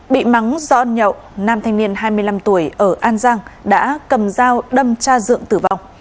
bị mắng do ăn nhậu nam thanh niên hai mươi năm tuổi ở an giang đã cầm dao đâm cha dượng tử vong